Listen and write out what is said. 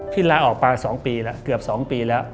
ลาออกไป๒ปีแล้วเกือบ๒ปีแล้ว